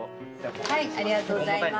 ありがとうございます。